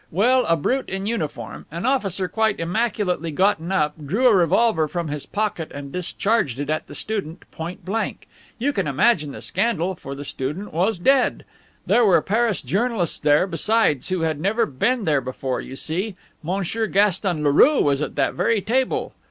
Well, a brute in uniform, an officer quite immaculately gotten up, drew a revolver from his pocket and discharged it at the student point blank. You can imagine the scandal, for the student was dead! There were Paris journalists there, besides, who had never been there before, you see! Monsieur Gaston Leroux was at that very table.